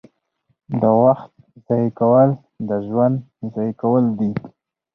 • د وخت ضایع کول د ژوند ضایع کول دي.